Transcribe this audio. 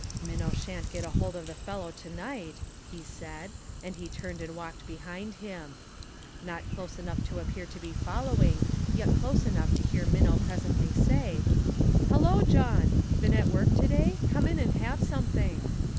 " Minnow sha'n't get hold of the fellow to night," he said, and he turned and walked behind him. Not close enough to appear to be following, yet close enough to hear Minnow presently say: " Hello, John ! been at work to day ? Come in and have something."